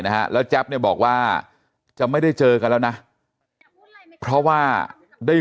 นะฮะแล้วแจ๊บเนี่ยบอกว่าจะไม่ได้เจอกันแล้วนะเพราะว่าได้